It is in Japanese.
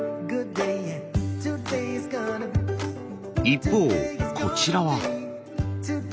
一方こちらは。